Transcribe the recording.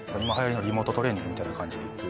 今流行りのリモートトレーニングみたいな感じで。